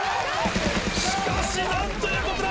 しかし何ということだ！